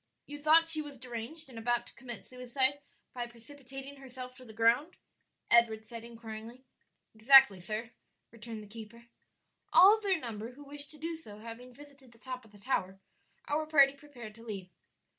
"You thought she was deranged and about to commit suicide by precipitating herself to the ground?" Edward said inquiringly. "Exactly, sir," returned the keeper. All of their number who wished to do so having visited the top of the tower, our party prepared to leave.